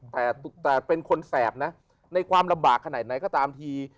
แต่เป็นคนแสบนะในความลำบากขนาดไหนก็ตามที